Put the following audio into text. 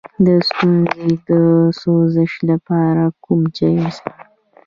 د ستوني د سوزش لپاره کوم چای وڅښم؟